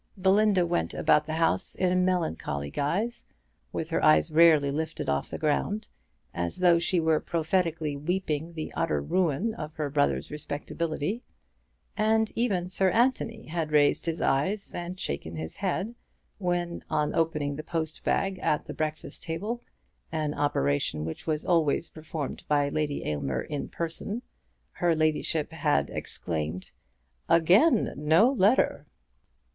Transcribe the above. Belinda went about the house in melancholy guise, with her eyes rarely lifted off the ground, as though she were prophetically weeping the utter ruin of her brother's respectability. And even Sir Anthony had raised his eyes and shaken his head, when, on opening the post bag at the breakfast table, an operation which was always performed by Lady Aylmer in person, her ladyship had exclaimed, "Again no letter!"